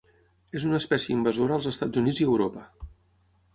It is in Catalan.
És una espècie invasora als Estats Units i Europa.